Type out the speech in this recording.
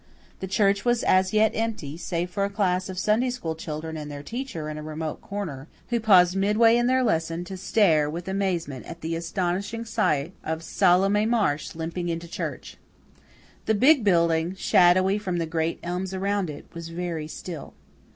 The church was as yet empty, save for a class of Sunday school children and their teacher in a remote corner, who paused midway in their lesson to stare with amazement at the astonishing sight of Salome Marsh limping into church. The big building, shadowy from the great elms around it, was very still.